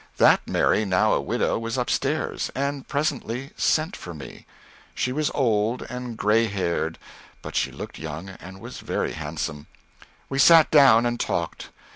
That Mary, now a widow, was up stairs, and presently sent for me. She was old and gray haired, but she looked young and was very handsome. We sat down and talked.